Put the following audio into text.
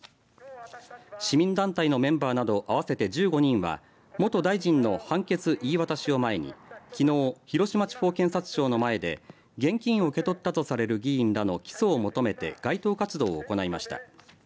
市民団体のメンバーなど合わせて１５人は元大臣の判決言い渡しを前にきのう、広島地方検察庁の前で現金を受け取ったとされる議員らの起訴を求めて街頭活動を行いました。